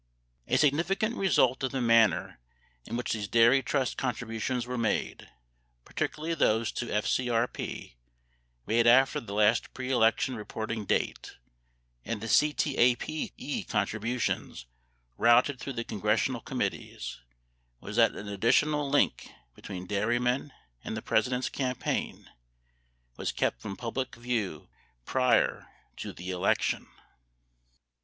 A significant result of the manner in which these dairy trust con tributions were made — particularly those to FCRP made after the last preelection reporting date and the CTAPE contributions routed through the congressional committees — was that an additional link be tween dairymen and the President's campaign was kept from public view prior to the election.